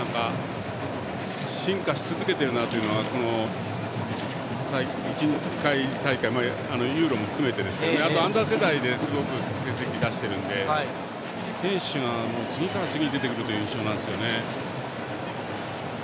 進化し続けているなというのをこの１２回大会ＥＵＲＯも含めてですけどあと、アンダー世代で成績を出し続けているので選手が次から次へと出てくる印象なんですよね。